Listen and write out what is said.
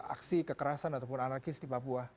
aksi kekerasan ataupun anarkis di papua